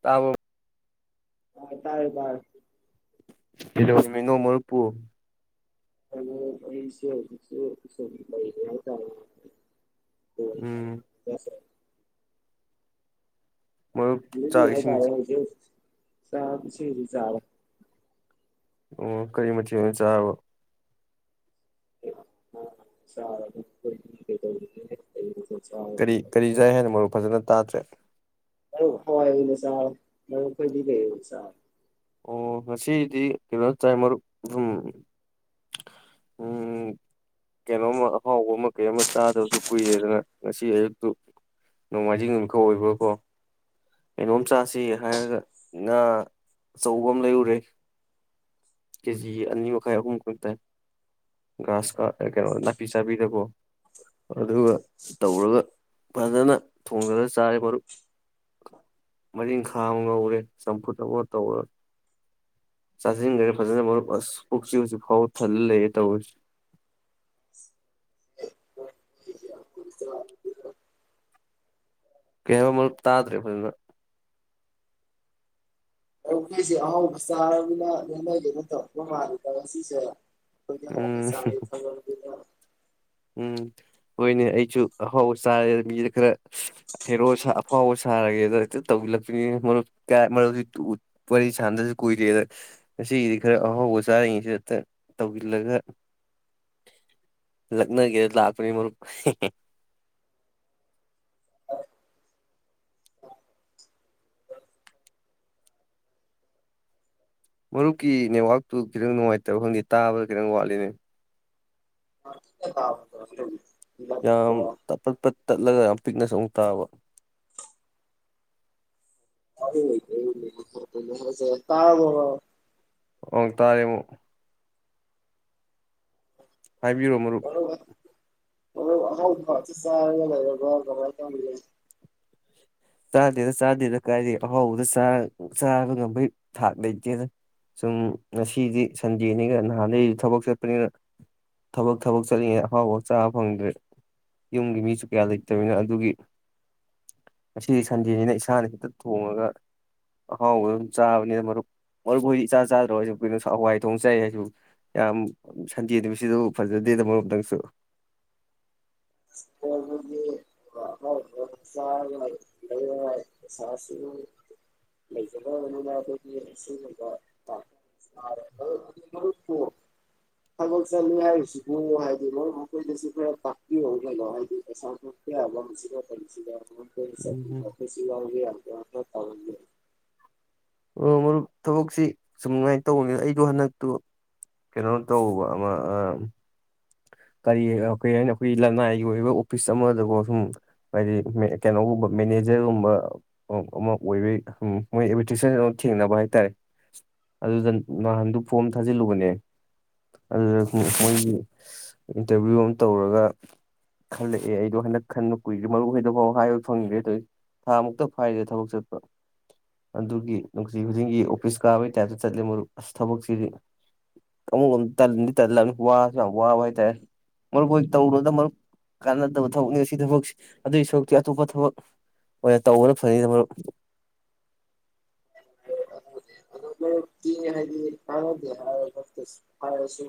ꯇꯕꯣ ꯇꯥꯏ ꯇꯥꯔꯦ ꯇꯥꯔꯦ ꯀꯩꯗꯧꯔꯝꯃꯤꯅꯣ ꯃꯔꯨꯞ ꯄꯨ ꯀꯩꯅꯣ ꯑꯩꯁꯦ ꯍꯧꯖꯤꯛꯁꯦ ꯁꯨꯝ ꯂꯩꯕ ꯍꯥꯏꯇꯔꯦꯅꯦ ꯎꯝ ꯑꯣ ꯃꯔꯨꯞ ꯂꯩꯔꯤ ꯆꯥꯛ ꯍꯥꯏ ꯏꯁꯤꯡ ꯇꯔꯦ ꯍꯨꯖꯤꯛ ꯆꯥꯛ ꯏꯁꯤꯡꯗꯤ ꯆꯥꯔꯦ ꯑꯣ ꯀꯔꯤ ꯃꯊꯦꯜ ꯑꯣꯏꯅ ꯆꯥꯔꯕ ꯀꯔꯤ ꯀꯔꯤ ꯆꯥꯏ [unintelligible] ꯃꯔꯨꯞ ꯐꯖꯅ ꯇꯥꯗ꯭ꯔꯦ ꯍꯋꯥꯏ ꯑꯣꯏꯅ ꯆꯔꯦ ꯃꯔꯨꯞ ꯈꯣꯏꯗꯤ ꯀꯩ ꯑꯣꯏꯆ ꯆꯔꯒꯦ ꯑꯣ ꯉꯁꯤꯗꯤ ꯀꯩꯅꯣ ꯆꯥꯏ ꯃꯔꯨꯞ ꯎꯝ ꯎꯝ ꯀꯩꯅꯣꯝꯃ ꯑꯍꯥꯎꯕ ꯑꯃ ꯀꯩ ꯑꯃ ꯆꯥꯗꯕꯁꯨ ꯀꯨꯏꯔꯦꯗꯅ ꯉꯁꯤ ꯑꯌꯨꯛꯇꯨ ꯅꯣꯡꯃꯥꯏꯖꯤꯡ ꯅꯨꯃꯤꯠꯀ ꯑꯣꯏꯕꯒꯀꯣ ꯀꯩꯅꯣꯝ ꯆꯁꯤ ꯍꯥꯏꯔꯒ ꯉꯥ ꯑꯆꯧꯕ ꯑꯃ ꯂꯩꯔꯨꯔꯦ ꯀꯦꯖꯤ ꯑꯅꯤ ꯃꯈꯥꯏ ꯑꯍꯨꯝ ꯈꯔꯇꯥꯏ ꯒꯥ꯭ꯔꯁ ꯀꯥꯞ ꯑꯦ ꯀꯩꯅꯣ ꯅꯥꯄꯤ ꯆꯥꯕꯤꯗꯀꯣ ꯑꯗꯨꯒ ꯇꯧꯔꯒ ꯐꯖꯅ ꯊꯣꯡꯗꯔ ꯆꯥꯔꯦ ꯃꯔꯨꯞ ꯃꯔꯤꯡꯈ ꯑꯃ ꯉꯧꯔꯦ ꯆꯝꯐꯨꯠ ꯑꯃꯒ ꯇꯧꯔ ꯆꯥꯁꯤꯟꯈꯔꯦ ꯐꯖꯅ ꯃꯔꯨꯞ ꯑꯁ ꯄꯨꯛꯁꯦ ꯍꯧꯁꯤꯛ ꯐꯥꯎ ꯊꯜꯂ ꯂꯩꯔꯦ ꯇꯧꯔꯤꯁꯦ ꯀꯩ ꯍꯥꯏꯕ ꯃꯔꯨꯞ ꯇꯥꯗ꯭ꯔꯦ ꯐꯖꯅ [inaudible] ꯑꯍꯥꯎꯕ ꯆꯥꯔꯕꯅꯤꯅ ꯂꯦꯝꯅꯒꯦꯅ ꯇꯧꯔꯛꯄ ꯃꯥꯂꯦꯗ ꯉꯁꯤꯁꯦ ꯑꯩꯈꯣꯏꯗꯤ ꯍꯥꯎꯅ ꯎꯝ ꯆꯕꯩ [inaudible] ꯎꯝ ꯍꯣꯏꯅꯦ ꯑꯩꯁꯨ ꯑꯍꯥꯎꯕ ꯆꯥꯔꯦ ꯃꯤꯁꯦ ꯈꯔ ꯍꯦꯔꯣ ꯁꯥ ꯑꯐꯥꯎꯕ ꯁꯥꯔꯒꯦꯗ ꯍꯦꯛꯇ ꯇꯧꯖꯤꯜ ꯂꯛꯄꯅꯤꯅꯦ ꯃꯔꯨꯞ [unintelligible] ꯋꯥꯔꯤ ꯁꯥꯟꯗꯕꯁꯨ ꯀꯨꯏꯔꯦꯅ ꯉꯁꯤꯒꯤꯗꯤ ꯈꯔ ꯑꯍꯥꯎꯕ ꯆꯥꯔꯤꯉꯩꯁꯤꯗ ꯍꯦꯛꯇ ꯇꯧꯁꯤꯜꯂꯒ ꯂꯛꯅꯒꯦꯅ ꯂꯥꯛꯄꯅꯤ ꯃꯔꯨꯞ [unintelligible] ꯃꯔꯨꯞꯀꯤ ꯉꯥꯛꯇꯪꯒ ꯅꯦꯠꯋ꯭ꯔꯥꯛꯇꯨ ꯈꯤꯇꯪ ꯅꯨꯡꯉꯥꯏꯇꯕ ꯈꯪꯗꯦ ꯇꯥꯕꯗ ꯈꯤꯇꯪ ꯋꯥꯠꯂꯤꯅꯦ [unintelligible] ꯌꯥꯝ ꯇꯠ ꯇꯠ ꯇꯠ ꯇꯠꯂꯒ ꯄꯤꯛꯅꯁꯨ ꯑꯃꯨꯛ ꯇꯥꯕ ꯑ ꯂꯩ ꯀ [unintelligible] ꯑꯣ ꯇꯥꯔꯦ ꯑꯃꯨꯛ ꯍꯥꯏꯕꯤꯔꯣ ꯃꯔꯨꯞ ꯑꯍꯥꯎꯕ ꯉꯥꯛꯇ ꯆꯥꯔꯒ ꯂꯩꯔꯕꯣ ꯀꯃꯥꯏ ꯇꯧꯔꯤꯅꯣ ꯆꯥꯗꯦꯗ ꯆꯥꯗꯦꯗ ꯀꯥꯏꯗꯦ ꯑꯍꯥꯎꯕꯗ ꯆ ꯆꯥꯕ ꯉꯝꯕꯩ ꯊꯥꯛ ꯂꯩꯇꯦꯅ ꯁꯨꯝ ꯉꯁꯤꯗꯤ ꯁꯟꯗꯦꯅꯤꯒ ꯅꯍꯥꯟꯗꯩꯗꯤ ꯊꯕꯛ ꯆꯠꯄꯅꯤꯅ ꯊꯕꯛ ꯊꯕꯛ ꯆꯠꯂꯤꯉꯩ ꯑꯐꯥꯎꯕ ꯆꯥꯕ ꯐꯪꯗ꯭ꯔꯦ ꯌꯨꯝꯒꯤ ꯃꯤꯁꯨ ꯀꯌꯥ ꯂꯩꯇꯕꯅ ꯑꯗꯨꯒꯤ ꯃꯁꯤ ꯁꯟꯗꯦꯁꯤꯅ ꯏꯁꯥꯅ ꯍꯈꯤꯛꯇ ꯊꯣꯡꯉꯒ ꯑꯍꯥꯎꯕ ꯑꯗꯨꯝ ꯆꯥꯕꯅꯤꯅ ꯃꯔꯨꯞ ꯃꯔ ꯍꯣꯏꯗꯤ ꯏꯆꯥ ꯆꯥꯗ꯭ꯔꯣ ꯍꯥꯏꯁꯨ ꯀꯩꯅꯣ ꯍꯋꯥꯏ ꯊꯣꯡ ꯆꯥꯏ ꯍꯥꯏꯁꯨ ꯌꯥꯝ ꯁꯟꯗꯦ ꯅꯨꯃꯤꯠꯁꯤꯁꯨ ꯐꯖꯗꯦꯗꯃꯣꯝꯗꯪꯁꯨ ꯍꯣꯏ ꯗꯨ ꯗꯤ ꯑ ꯁꯥꯁꯤ ꯂꯩꯖꯕꯕꯅꯤꯅ ꯑꯩꯈꯣꯏꯒꯤꯒꯨꯝꯕ [unintelligible] ꯐꯒꯜ ꯆ ꯍꯥꯏꯖꯤꯒꯨ ꯃ ꯍꯥꯏꯗꯤ ꯃ ꯃꯈꯣꯏꯁꯤ [unintelligible] ꯒꯌꯥ [unintelligible] ꯎꯝ ꯋꯥ ꯌꯥ ꯇꯥ [unintelligible] ꯑꯣ ꯃꯔꯨꯞ ꯊꯕꯛꯁꯤ ꯁꯨꯝ ꯉꯥꯏꯅ ꯇꯧꯕꯅꯤꯅ ꯑꯩꯗꯣ ꯍꯟꯗꯛꯇꯨ ꯀꯩꯅꯣ ꯇꯧꯕ ꯑꯃ ꯑ ꯀꯔꯤ ꯀꯔꯤ ꯍꯥꯏꯅꯤ ꯑꯩꯈꯣꯏꯒꯤ ꯂꯅꯥꯏꯒꯤ ꯑꯣꯏꯕ ꯑꯣꯐꯤꯁ ꯑꯃꯗꯕꯨꯣ ꯁꯨꯝ ꯍꯥꯏꯗꯤ ꯀꯩꯅꯣꯒꯨꯝꯕ ꯃꯦꯅꯦꯖꯔꯒꯨꯝꯕ ꯑꯃ ꯑꯣꯏꯕ ꯃꯣꯏ ꯑꯦꯚꯔꯇꯤꯁꯟ ꯊꯦꯡꯅꯕ ꯍꯥꯏꯇꯥꯔꯦ ꯑꯗꯨꯗ ꯅꯍꯥꯟꯗꯨ ꯐꯣꯝ ꯊꯥꯖꯤꯜꯂꯨꯕꯅꯦ ꯑꯗꯨꯗ ꯃꯣꯏꯒꯤ ꯏꯟꯇꯔꯚꯤꯌꯨ ꯑꯃ ꯇꯧꯔꯒ ꯈꯜꯂꯛꯑꯦ ꯑꯩꯗꯣ ꯍꯟꯗꯛ ꯈꯟꯕ ꯀꯨꯏꯔꯦ ꯃꯔꯨꯞ ꯍꯣꯢꯗꯐꯥꯎ ꯍꯥꯏꯕ ꯐꯪꯗ꯭ꯔꯤ ꯊꯥ ꯃꯨꯛꯇ ꯐꯥꯔꯤꯗ ꯊꯕꯛ ꯆꯠꯄ ꯑꯗꯨꯒꯤ ꯅꯨꯡꯇꯤ ꯈꯨꯗꯤꯡꯒꯤ ꯑꯣꯐꯤꯁ ꯀꯥꯕꯒꯤ ꯇꯥꯏꯞꯇ ꯆꯠꯂꯦ ꯃꯔꯨꯞ ꯑꯁ ꯊꯕꯛꯁꯤꯗꯤ ꯀꯃꯨꯛ ꯅ ꯋꯥ ꯋꯥ ꯋꯥ ꯇꯦ [inaudible] ꯃꯔꯨꯞ ꯑꯣꯏꯅ ꯇꯧꯅꯨꯗ ꯃꯔꯨꯞ ꯀꯥꯟꯅꯗꯕ ꯊꯕꯛꯅꯤ ꯁꯤ ꯊꯕꯛꯁꯤ ꯑꯗꯨꯒꯤ ꯁꯔꯨꯛꯇꯤ ꯑꯇꯣꯞꯄ ꯊꯕꯛ ꯑꯣꯏꯅ ꯇꯧꯕꯅ ꯐꯩ ꯃꯔꯨꯞ [unintelligible] ꯑꯗꯨ ꯍꯥꯏꯗꯤ ꯇꯥꯔ [inaudible] ꯍ ꯁꯤ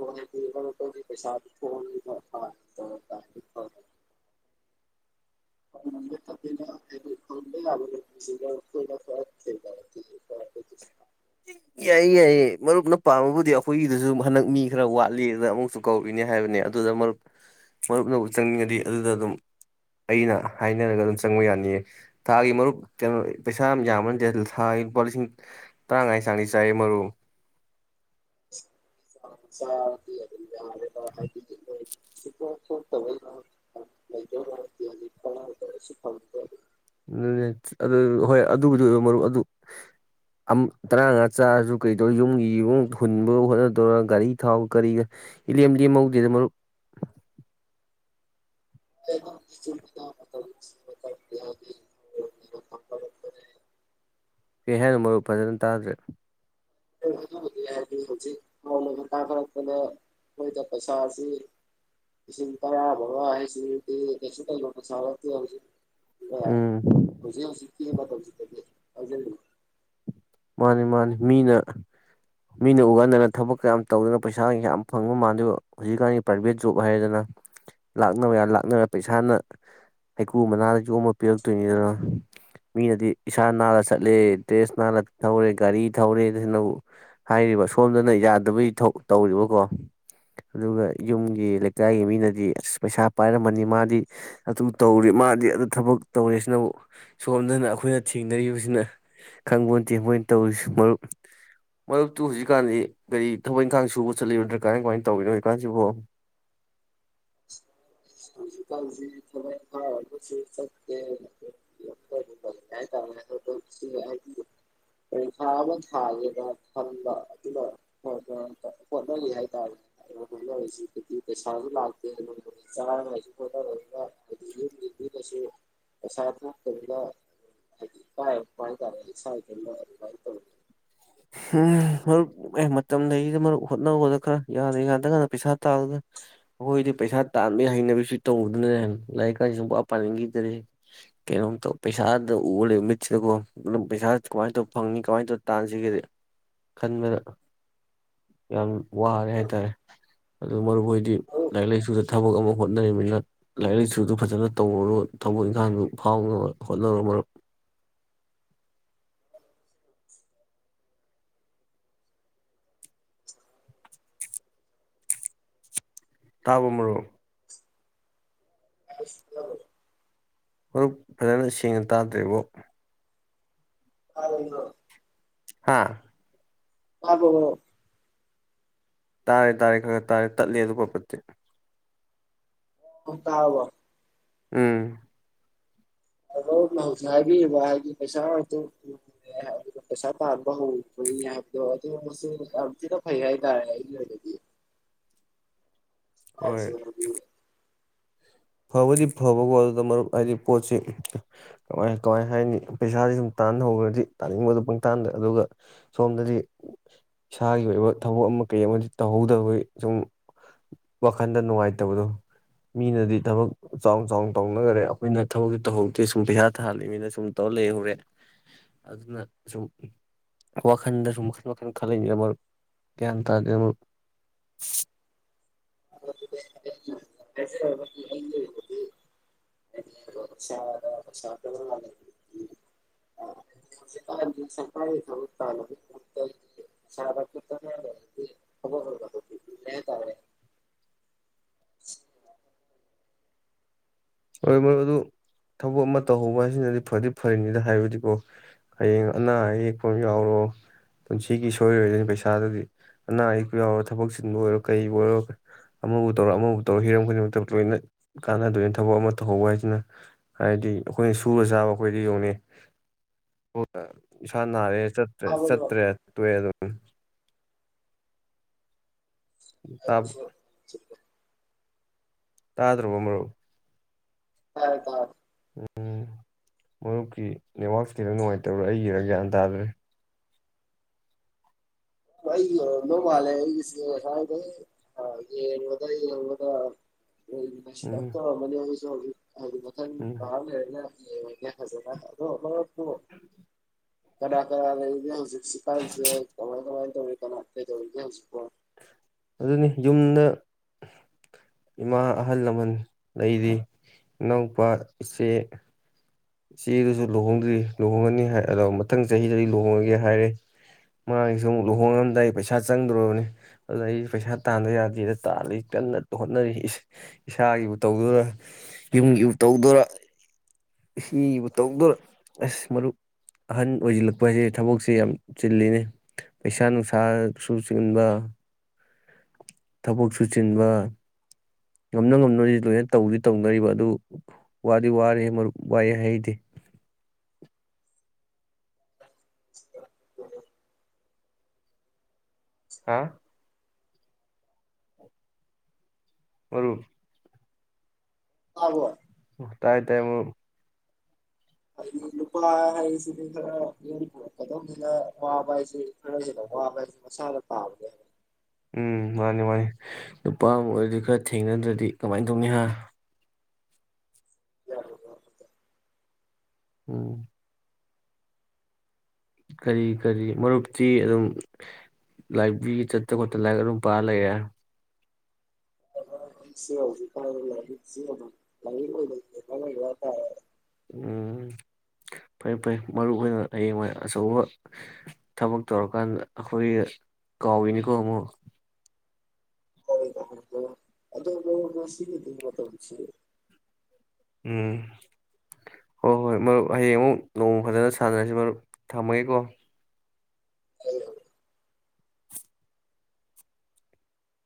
ꯀ ꯄꯩꯁ ꯐ [inaudible] ꯀꯅꯗꯤ ꯐ ꯐ [inaudible] ꯌꯥꯏꯌꯦ ꯌꯥꯏꯌꯦ ꯃꯔꯨꯞꯅ ꯄꯥꯝꯃꯕꯨꯗꯤ ꯑꯩꯈꯣꯏꯒꯤꯗꯨꯁꯨ ꯍꯟꯗꯛ ꯃꯤ ꯈꯔ ꯋꯥꯠꯂꯤ ꯑꯗ ꯑꯃꯨꯛꯁꯨ ꯀꯧꯈꯤꯅꯤ ꯍꯥꯏꯕꯅꯦ ꯑꯗꯨꯗ ꯃꯔꯨꯞ ꯃꯔꯨꯞꯅ ꯆꯪꯅꯤꯡꯉꯗꯤ ꯑꯗꯨꯗ ꯑꯗꯨꯝ ꯑꯩꯅ ꯍꯥꯏꯅꯔꯒ ꯑꯗꯨꯝ ꯆꯪꯕ ꯌꯥꯅꯤꯌꯦ ꯊꯥꯒꯤ ꯃꯔꯨꯞ ꯀꯩꯅꯣ ꯄꯩꯁꯥ ꯌꯥꯝ ꯌꯥꯝꯕ ꯅꯠꯇꯦ ꯊꯥꯒꯤ ꯂꯨꯄꯥ ꯂꯤꯁꯤꯡ ꯇꯔꯥꯉꯥ ꯆꯥꯡꯗꯤ ꯆꯥꯏ ꯃꯔꯨꯞ ꯆ ꯑꯗꯨꯦ ꯍꯥꯏ [inaudible] ꯇꯃꯦꯡꯂ ꯃ ꯀ ꯐ [inaudible] ꯎ ꯑꯗꯨ ꯍꯣꯏ ꯑꯗꯨꯕꯨꯗꯤ ꯑꯣꯏ ꯃꯔꯨꯞ ꯑꯗꯨ ꯇꯔꯥꯉꯥ ꯆꯥꯔꯁꯨ ꯀꯔꯤꯗꯧꯔꯤ ꯌꯨꯝꯒꯤ ꯛꯃꯨꯛ ꯍꯨꯟꯕ ꯍꯣꯠꯅꯗꯧꯔꯤ ꯒꯥꯔꯤ ꯊꯥꯎ ꯀꯔꯤ ꯏꯂꯦꯝ ꯂꯦꯝꯍꯧꯗꯦꯗ ꯃꯔꯨꯨꯞ ꯌꯥ [inaudible] ꯀꯩ ꯍꯥꯏꯅꯣ ꯃꯔꯨꯞ ꯐꯖꯅ ꯇꯥꯗ꯭ꯔꯦ ꯍꯥꯏꯔꯗꯤ [inaudible] ꯍꯧꯖꯤꯛ ꯀꯥꯎꯂꯒ ꯀꯥꯈꯔꯛꯄꯗ ꯃꯣꯏꯗ ꯄꯩꯁꯥꯁꯤ ꯁꯤꯇ ꯕ ꯍꯥꯏ ꯁꯤꯇꯁꯨ ꯂ ꯆ ꯍꯧꯖꯤ [inaudible] ꯎꯝ ꯍꯧꯖꯤꯛ ꯍꯧꯖꯤꯛꯀꯤ ꯑꯃꯧꯁꯤꯛꯇꯗꯤꯦ ꯍꯧꯖ [inaudible] ꯃꯥꯅꯤ ꯃꯥꯅꯤ ꯃꯤꯅ ꯃꯤꯅ ꯎꯒꯥꯟꯗꯅ ꯊꯕꯛꯀ ꯌꯥꯝ ꯇꯧꯗꯅ ꯄꯩꯁꯥ ꯌꯥꯝ ꯐꯪꯕ ꯃꯥꯟꯗꯨꯏꯕ ꯍꯧꯖꯤꯛꯀꯥꯟꯒꯤ ꯄ꯭ꯔꯥꯏꯚꯦꯠ ꯖꯣꯕ ꯍꯥꯏꯔꯦꯗꯅ ꯂꯥꯛꯅꯕ ꯌꯥ ꯂꯥꯛꯅꯔ ꯄꯩꯁꯥꯅ ꯍꯩꯀ꯭ꯔꯨ ꯃꯅꯥꯗ ꯌꯣꯝꯃꯒ ꯄꯤꯔꯛꯇꯣꯏꯅꯤꯗꯅ ꯃꯤꯅꯗꯤ ꯏꯁꯥ ꯅꯥꯜꯂ ꯆꯠꯂꯦ ꯗ꯭ꯔꯦꯁ ꯅꯥꯂ ꯊꯧꯔꯦ ꯒꯥꯔꯤ ꯊꯧꯔꯦꯅꯕꯨ ꯍꯥꯏꯔꯤꯕ ꯁꯣꯝꯗꯅ ꯌꯥꯗꯕꯩ ꯇꯧꯔꯤꯕꯀꯣ ꯑꯗꯨꯒ ꯌꯨꯝꯒꯤ ꯂꯩꯀꯥꯏꯒꯤ ꯃꯤꯅꯗꯤ ꯑꯁ ꯄꯩꯁꯥ ꯄꯥꯏꯔꯝꯃꯅꯤ ꯃꯥꯗꯤ ꯑꯗꯨ ꯇꯧꯔꯤ ꯃꯥꯗꯤ ꯑꯗꯨ ꯊꯕꯛ ꯇꯧꯔꯤꯁꯤꯅꯕꯨ ꯁꯣꯝꯗꯅ ꯑꯩꯈꯣꯏꯅ ꯊꯦꯡꯅꯔꯤꯕꯁꯤꯅ ꯈꯪꯕꯣꯟꯇꯦ ꯃꯣꯏꯅ ꯇꯧꯔꯤꯁꯤ ꯃꯔꯨꯞ ꯃꯔꯨꯞꯇꯨ ꯍꯧꯖꯤꯛꯀꯥꯟꯗꯤ ꯀꯔꯤ ꯊꯕꯛ ꯏꯪꯈꯥꯡ ꯁꯨꯕ ꯆꯠꯂꯤ ꯀꯃꯥꯏ ꯀꯃꯥꯏꯅ ꯇꯧꯔꯤꯅꯣ ꯍꯧꯖꯤꯛꯀꯥꯟꯁꯤꯕꯣ ꯍꯧꯖꯤꯛꯒꯥꯟꯁꯤ ꯊꯕꯛ ꯢꯟꯈꯥꯡ ꯑꯝꯇꯥ ꯆꯠꯇꯦ [inaudible] ꯄꯔꯤꯈꯥ ꯑꯃ ꯊꯥꯒꯦꯅ ꯈꯟꯕ ꯑꯗꯨꯒ [inaudible] [inaudible] [inaudible] [inaudible] ꯎꯝ ꯍ [inaudible] ꯎ ꯑꯦ ꯃꯇꯝ ꯂꯩꯔꯤꯗ ꯃꯔꯨꯞ ꯍꯣꯠꯅꯥꯈꯣꯗ ꯈꯔ ꯌꯥꯔꯥꯒꯟꯗ ꯗꯔ ꯄꯩꯁꯥ ꯇꯥꯂꯨꯗ ꯑꯩꯈꯣꯏꯗꯤ ꯄꯩꯁꯥ ꯇꯥꯟꯕꯒꯤ ꯍꯩꯅꯕꯤꯁꯤ ꯇꯧꯔꯨꯗꯅ ꯂꯥꯏꯔꯤꯛꯀꯥꯁꯤ ꯁꯨꯡꯄꯥ ꯄꯥꯅꯤꯡꯈꯤꯗꯔꯦ ꯀꯩꯅꯣꯝꯇꯧ ꯄꯩꯁꯥꯗ ꯎꯔ ꯂꯩꯔꯦ ꯃꯤꯠꯁꯤꯗꯀꯣ ꯃꯔꯨꯞ ꯄꯩꯁꯥ ꯀꯃꯥꯏꯇꯧ ꯐꯪꯅꯤ ꯀꯃꯥꯏꯅ ꯇꯧ ꯇꯥꯟꯁꯤꯒꯦ ꯈꯟꯕꯗ ꯌꯥꯝ ꯋꯥꯔꯦ ꯍꯥꯏꯇꯥꯔꯦ ꯑꯗꯨ ꯃꯔꯨꯞ ꯍꯣꯏꯗꯤ ꯂꯥꯏꯔꯤꯛ ꯂꯥꯏꯁꯨꯗ ꯊꯕꯛ ꯑꯃ ꯍꯣꯠꯅꯔꯤꯕꯅꯤꯅ ꯂꯥꯏꯔꯤꯛ ꯂꯥꯏꯁꯨꯗꯨ ꯐꯖꯅ ꯇꯧꯔꯣꯒ ꯊꯕꯛ ꯏꯪꯈꯥꯡꯗꯨ ꯐꯥꯎꯅꯕ ꯍꯣꯠꯅꯔꯣ ꯃꯔꯨꯞ [unintelligible] ꯇꯥꯕꯔꯣ ꯃꯔꯨꯞ [unintelligible] ꯃꯔꯨꯞ ꯐꯖꯅ ꯁꯦꯡꯅ ꯇꯥꯗ꯭ꯔ‌ꯦꯕꯣ [unintelligible] ꯍꯥꯥ [unintelligible] ꯇꯥꯔꯦ ꯇꯥꯔꯦ ꯈꯔ ꯈꯔ ꯇꯥꯔꯦ ꯇꯠꯂꯦ ꯑꯗꯨ ꯄꯠ ꯄꯠꯇꯤ [unintelligible] [unintelligible] ꯎꯝ [unintelligible] [unintelligible] ꯌꯥꯝ ꯊꯤꯅ ꯐꯩ ꯍꯥꯏꯇꯔꯦ ꯑꯩꯒꯤ ꯑꯣꯏꯅꯗꯤ ꯍꯣꯏ [unintelligible] ꯐꯕꯨꯗꯤ ꯐꯕꯀꫭ ꯑꯗꯨꯗ ꯃꯔꯨꯞ ꯍꯥꯏꯗꯤ ꯄꯣꯠꯁꯤ ꯀꯃꯥꯏ ꯀꯃꯥꯏ ꯍꯥꯏꯅꯤ ꯄꯩꯁꯥꯥꯁꯦ ꯁꯨꯝ ꯇꯥꯟꯍꯧꯈ꯭ꯔꯗꯤ ꯇꯥꯅꯤꯡꯕꯗꯨ ꯄꯪꯇꯥꯟꯗ ꯑꯗꯨꯒ ꯁꯣꯝꯗꯗꯤ ꯏꯁꯥꯒꯤ ꯑꯣꯏꯕ ꯊꯕꯛ ꯑꯃ ꯀꯩ ꯑꯃꯗꯤ ꯇꯧꯍꯧꯗꯕꯒꯤ ꯁꯨꯝ ꯋꯥꯈꯜꯗ ꯅꯨꯡꯉꯥꯏꯇꯕꯗꯣ ꯃꯤꯅꯗꯤ ꯊꯕꯛ ꯆꯥꯎꯅ ꯆꯥꯎꯅ ꯇꯧꯅꯈꯔꯦ ꯑꯩꯈꯣꯏꯅ ꯊꯕꯛꯇꯤ ꯇꯧꯍꯧꯗꯦ ꯁꯨꯝ ꯄꯩꯁꯥ ꯇꯥꯟꯂꯤꯃꯤꯅ ꯁꯨꯝ ꯇꯧꯔ ꯂꯩꯍꯧꯔꯦ ꯑꯗꯨꯅ ꯁꯨꯝ ꯋꯥꯈꯜꯗꯁꯨꯨ ꯃꯈꯜ ꯃꯈꯜ ꯈꯜꯂꯛꯏꯅꯦꯗ ꯃꯔꯨꯞ ꯒ꯭ꯌꯥꯟ ꯇꯥꯗꯦ ꯃꯔꯨꯞ [unintelligible] [unintelligible] [inaudible] [unintelligible] [unintelligible] [unintelligible] ꯍꯣꯏ ꯃꯔꯨꯞ ꯑꯗꯨ ꯊꯕꯛ ꯑꯃ ꯇꯧꯍꯧꯕ ꯍꯥꯏꯁꯤꯅꯗꯤ ꯐꯗꯤ ꯐꯔꯤꯅꯤꯗ ꯍꯥꯏꯕꯗꯤꯀꯣ ꯍꯌꯦꯡ ꯑꯅꯥ ꯑꯌꯦꯛꯄ ꯑꯃ ꯌꯥꯎꯔꯣ ꯄꯨꯟꯁꯤꯒꯤ ꯁꯣꯏꯔꯣꯏꯗꯣꯏꯅꯤ ꯄꯩꯁꯥꯗꯨꯗꯤ ꯑꯅꯥ ꯑꯌꯦꯛ ꯌꯥꯎꯔꯣ ꯊꯕꯛ ꯆꯤꯟꯕꯨ ꯑꯣꯏꯔꯣ ꯀꯔꯤꯕꯨ ꯑꯣꯏꯔꯣ ꯑꯃꯕꯨ ꯇꯧꯔꯣ ꯑꯃꯕꯨ ꯇꯧꯔ ꯍꯤꯔꯝ ꯈꯨꯗꯤꯡꯃꯛꯇ ꯂꯣꯏꯅ ꯀꯥꯟꯅꯗꯣꯏꯅꯤ ꯊꯕꯛ ꯑꯃ ꯇꯧꯍꯧꯕ ꯍꯥꯏꯁꯤꯅ ꯍꯥꯏꯗꯤ ꯑꯩꯈꯣꯏꯅ ꯁꯨꯔ ꯆꯥꯕ ꯑꯩꯈꯣꯏꯗꯤ ꯌ‌ꯦꯡꯉꯨꯅ‌ꯦ ꯏꯁꯥ ꯅꯥꯔꯦ ꯆꯠꯇ꯭ꯔꯦ ꯆꯠꯇ꯭ꯔ‌ꯦ ꯇꫭꯛꯑ‌ꯦ ꯑꯗꯨꯝ [unintelligible] ꯇꯥꯗ꯭ꯔꯕ ꫭꯃꯔꯨꯞ ꯇꯔ‌ꯦ ꯇꯔ‌ꯦ ꯎꯝ ꯃꯔꯨꯞꯀꯤ ꯅꯦꯠꯋꯥꯛꯁꯤ ꯈꯤꯇꯪ ꯅꯨꯡꯉꯥꯏꯇꯕꯔꯥ ꯑꯩꯒꯤꯔ ꯒ꯭ꯌꯥꯟ ꯇꯥꯗ꯭ꯔꯦ ꯑꯩꯒꯤ ꯑꫭꯏꯔꯝꯗꯧ ꯃꯥꯂꯦ ꯑꯩꯒꯤꯁ‌ꯦ ꯉꯁꯥꯏꯗꯩ ꯑꯥ ꯌ‌ꯦꯡꯕꯗ ꯌ‌ꯦꯡꯕꯗ꯫ [unintelligible] ꯎꯝ ꯁꯔꯠꯇ [unintelligible] ꯑꯩꯁꯨ‌ ꯍꯧꯖꯤꯛ ꯃꯊꯪ ꯎꯝ ꯃꯊ ꯥꯑꯃ ꯂꯩꯔꯒ ꯌ‌ꯦꯡꯉꯒ‌ꯦ ꯐꯖꯅ ꯑꯗꯣ ꯃꯔꯞꯄꯨ ꯀꯅꯥ ꯀꯅꯥ ꯂꯩꯒꯦ ꯍꯧꯖꯤꯛꯁꯤ ꯁꯤꯦ [unintelligible] ꯀꯃꯥꯏ ꯀꯃꯥꯏ ꯇꯧꯋꯤ ꯀꯅ ꯀꯩꯗꯧꯔꯤꯒ‌ꯦ ꯍꯧꯖꯤꯛꯄꯨ ꯑꯗꯨꯅꯤ ꯌꯨꯝꯗ ꯏꯃꯥ ꯑꯍꯜ ꯂꯃꯟ ꯂꯩꯔꯤ ꯏꯅꯥꯎꯄꯥ ꯏꯆꯦ ꯏꯆꯦꯗꯨꯁꯨ ꯂꯨꯍꯣꯡꯗ꯭ꯔꯤ ꯂꯨꯍꯣꯡꯉꯅꯤ ꯍꯥꯏ ꯑꯗꯣ ꯃꯊꯪ ꯆꯍꯤꯗꯗꯤ ꯂꯨꯍꯣꯡꯉꯒꯦ ꯍꯥꯏꯔꯦ ꯃꯥꯒꯤꯁꯨ ꯑꯃꯨꯛ ꯂꯨꯍꯣꯡꯉꯝꯗꯥꯏ ꯄꯩꯁꯥ ꯆꯪꯗ꯭ꯔꫭꯕꯅꯤ ꯑꯗꯨꯅ ꯑꯩ ꯄꯩꯁꯥ ꯇꯥꯟꯗ ꯌꯥꯗꯦꯗ ꯇꯥꯜꯂꯤ ꯀꯟꯅ ꯍꯣꯠꯅꯔꯤ ꯏꯁ ꯏꯁꯥꯒꯤꯕꯨ ꯇꯧꯗꯣꯏꯔ ꯌꯨꯝꯒꯤꯕꯨ ꯇꯧꯗꯣꯏꯔꯥ ꯏꯆ‌ꯦꯒꯤꯕꯨ ꯇꯧꯗꫭꯏꯔ ꯑꯁ ꯃꯔꯨꯞ ꯑꯍꯟ ꯑꯣꯏꯁꯤꯜꯂꯛꯄ ꯍꯥꯏꯁꯦ ꯊꯕꯛꯁꯦ ꯌꯥꯝ ꯆꯤꯜꯂꯤꯅꯤ ꯄꯩꯁꯥ ꯅꯨꯡꯁꯥꯁꯨ ꯆꯦꯟꯕ ꯊꯕꯛ ꯁꯨ ꯆꯤꯟꯕ ꯉꯝꯅ ꯉꯝꯅꯔꯤꯁꯤꯗꯤ ꯂꯣꯏꯅ ꯇꯧꯗꯤ ꯇꯧꯅꯔꯤꯕ ꯑꯗꯨ ꯋꯥꯗꯤ ꯋꯥꯔꯦ ꯃꯔꯨꯞ ꯋꯥꯏꯑꯦ ꯍꯥꯏꯩꯗꯤ ꯍ ꯍꯥꯥ ꯃꯔ ꯑꯕꯣ ꯑꯣ ꯇꯥꯏ ꯇꯥꯏꯃ [inaudible] ꯍꯥꯏꯩꯁꯤꯗꯤ ꯈꯔ ꯌ ꯄꯨꯔꯛꯀꯗꯧꯅꯤꯅ ꯋꯥꯕ ꯍꯥꯏꯁꯤꯦ ꯈꯔ ꯍꯅ ꯋꯥꯕ ꯍꯥꯏꯦ ꯃꯁꯥꯗ ꯄꯥꯕꯅꯦꯦ ꯎꯝ ꯃꯥꯅꯤ ꯃꯥꯅꯤ ꯅꯨꯄꯥ ꯑꯃ ꯑꯣꯏꯔꯗꯤ ꯈꯔ ꯊꯦꯡꯅꯗ꯭ꯔꯗꯤ ꯀꯃꯥꯏꯅ ꯇꯧꯅꯤ ꯍꯥ ꯑꯣ ꯎꯝ ꯀꯔꯤ ꯀꯔꯤ ꯃꯔꯨꯞꯇꯤ ꯑꯗꯨꯝ ꯂꯥꯏꯄꯤ ꯆꯠꯇ ꯈꯣꯠꯇꯅ ꯂꯥꯏ ꯑꯗꯨꯝ ꯄꯥꯔ ꯂꯩꯦ ꯁꯤꯁꯤ ꯂ ꯇ ꯎꯝ ꯐꯩ ꯐꯩ ꯃꯔꯨ ꯑꯣꯏꯅ ꯍꯌꯦꯡꯋꯥ ꯑꯆꯧꯕ ꯊꯕꯛ ꯇꯧꯔꯀꯥꯟꯗ ꯑꯩꯈꯣꯏ ꯀꯥꯎꯏꯅꯤꯀꯣ ꯑꯃꯨꯛ ꯑꯗꯨ ꯁꯤꯒꯤ ꯇꯧꯁꯤ ꯎꯝ ꯍꯣꯏ ꯍꯣꯏ ꯃꯔꯨꯞ ꯍꯌꯦꯡ ꯑꯃꯨꯛ ꯅꯣꯡꯃ ꯐꯖꯅ ꯁꯥꯟꯅꯔꯁꯤ ꯃꯔꯨꯞ ꯊꯝꯃꯒꯦꯀꯣ ꯍ